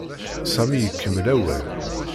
Sami ikemmel awal.